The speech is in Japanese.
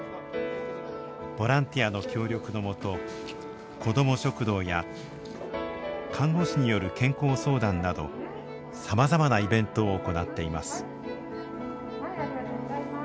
ボランティアの協力のもと子ども食堂や看護師による健康相談などさまざまなイベントを行っています。